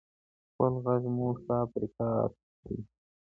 خپل غږ مو صاف ریکارډ کړئ!